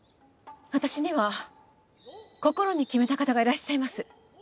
私には心に決めた方がいらっしゃいます。